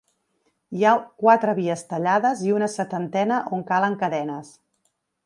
Hi ha quatre vies tallades i una setantena on calen cadenes.